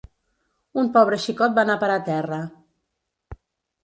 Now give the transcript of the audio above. Un pobre xicot va anar a parar a terra